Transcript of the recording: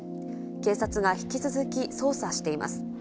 警察が引き続き捜査しています。